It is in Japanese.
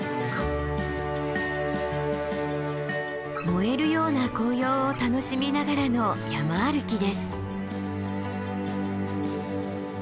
燃えるような紅葉を楽しみながらの山歩きです。